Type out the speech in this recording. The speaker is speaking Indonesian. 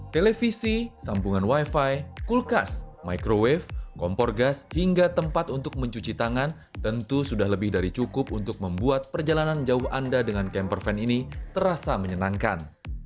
televisi sambungan wifi kulkas microwave kompor gas hingga tempat untuk mencuci tangan tentu sudah lebih dari cukup untuk membuat perjalanan jauh anda dengan camper van ini terasa menyenangkan